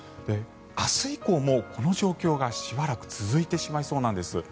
明日以降もこの状況がしばらく続いてしまいそうなんです。